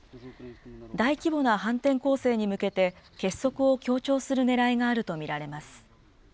大規模な反転攻勢に向けて、結束を強調するねらいがあると見られます。